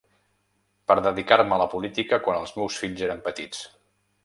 Per dedicar-me a la política quan els meus fills eren petits.